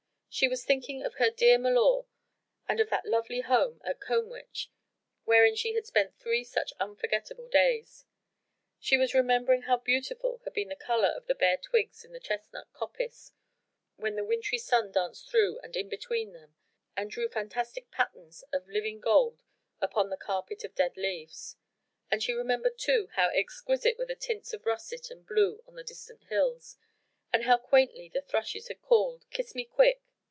She was thinking of her dear milor and of that lovely home at Combwich wherein she had spent three such unforgettable days. She was remembering how beautiful had been the colour of the bare twigs in the chestnut coppice when the wintry sun danced through and in between them and drew fantastic patterns of living gold upon the carpet of dead leaves; and she remembered too how exquisite were the tints of russet and blue on the distant hills, and how quaintly the thrushes had called: "Kiss me quick!"